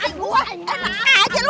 aduh enak aja lu